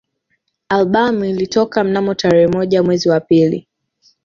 Albamu ilitoka mnamo tarehe moja mwezi wa pili